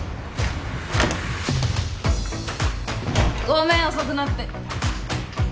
ごめん遅くなって。